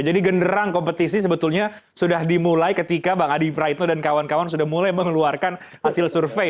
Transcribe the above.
jadi genderang kompetisi sebetulnya sudah dimulai ketika bang adi prayudno dan kawan kawan sudah mulai mengeluarkan hasil survei